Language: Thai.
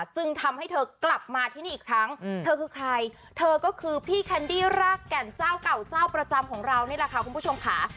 จึงทำให้เธอกลับมาที่นี่อีกครั้งเธอคือใครเธอก็คือพี่แคนดี้รากแก่นเจ้าเก่าเจ้าประจำของเรานี่แหละค่ะคุณผู้ชมค่ะ